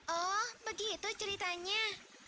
oh begitu ceritanya